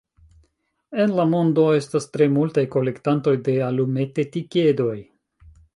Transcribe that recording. En la mondo estas tre multaj kolektantoj de alumetetikedoj.